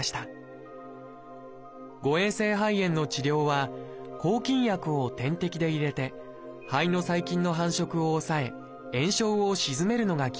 誤えん性肺炎の治療は抗菌薬を点滴で入れて肺の細菌の繁殖を抑え炎症を鎮めるのが基本です。